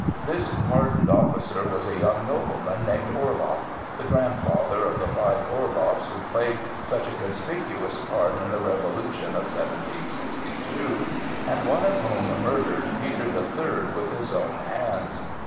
This pardoned officer was a young nobleman, named Orloff—the grandfather of the five Orloffs who played such a conspicuous part in the revolution of 1762, and one of whom murdered Peter the Third with his own hands.